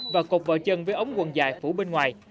và cột vợ chân với ống quần dài phủ bên ngoài